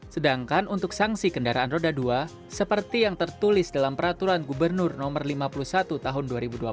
sedangkan untuk sanksi kendaraan roda dua seperti yang tertulis dalam peraturan gubernur no lima puluh satu tahun dua ribu dua puluh